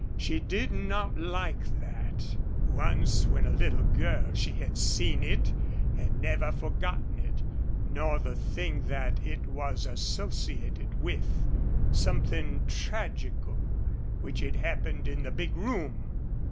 She did not like that. Once, when a little girl, she had seen it and never forgotten it, nor the thing that it was associated with something tragical which had happened in the big room.